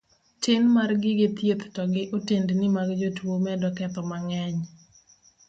Tin mar gige thieth to gi otendni mag jotuo medo ketho mang'eny.